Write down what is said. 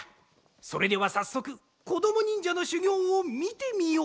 それではさっそくこどもにんじゃのしゅぎょうをみてみよう！